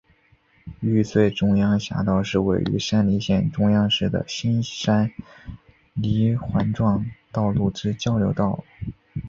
玉穗中央匝道是位于山梨县中央市的新山梨环状道路之交流道。